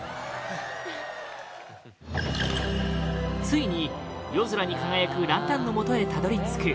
ついに、夜空に輝くランタンのもとへたどり着く